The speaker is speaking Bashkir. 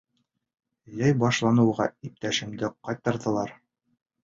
Йәй башланыуға иптәшемде ҡайтарҙылар.